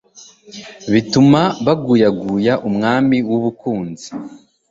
bituma baguyaguya umwami w'u Bukunzi